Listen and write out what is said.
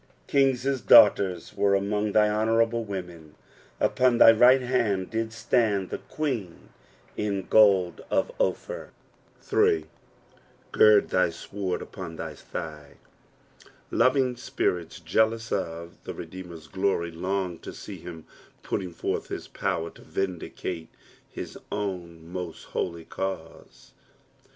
9 King's daughters were among thy honourable women : upon thy right hand did stand the queen in gold of Ophir, 8. "CJrv! iky veord upon thy (A^A." Loving spirits jealous of the Rddecmer's glory long to see him putting forth his power to vindicate his own most holy cause.